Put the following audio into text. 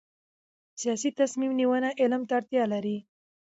سیاسي تصمیم نیونه علم ته اړتیا لري